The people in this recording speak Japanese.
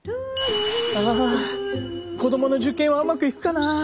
あ子どもの受験はうまくいくかな。